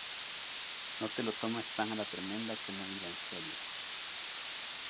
No te lo tomes tan a la tremenda que no iba en serio